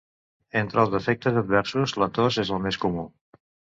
Entre els efectes adversos, la tos és el més comú.